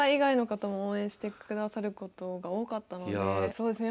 そうですね